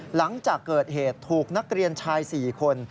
หลังจากเกิดเหตุถูกนักเรียนชาย๔คน